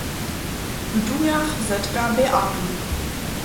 W durjach zetka Beatu.